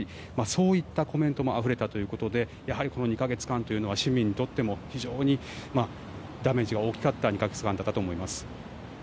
そういったコメントもあふれたということで、やはりこの２か月間は、市民にとっても非常にダメージが大きかった２か月間だったと思います。